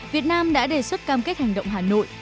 việt nam đã đề xuất cam kết hành động hà nội